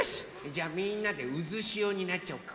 じゃあみんなでうずしおになっちゃおうか。